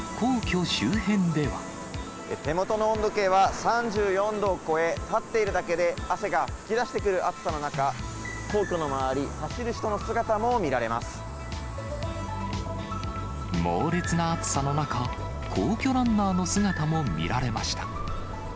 手元の温度計は３４度を超え、立っているだけで汗が噴き出してくる暑さの中、皇居の周り、猛烈な暑さの中、皇居ランナーの姿も見られました。